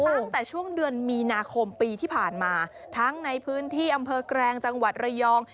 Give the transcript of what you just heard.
ตั้งแต่ช่วงเดือนมีนาคมปีที่ผ่านมาทั้งในพื้นที่อำเภอแกรงจังหวัดระยอง